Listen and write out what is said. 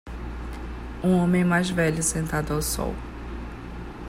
Um homem mais velho sentado ao sol.